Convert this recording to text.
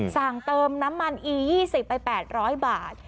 สั่งเติมน้ำมันอี๒๐ไป๘๐๐บาท